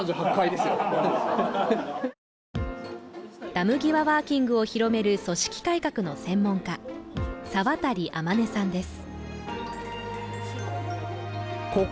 ダム際ワーキングを広める組織改革の専門家、沢渡あまねさんです。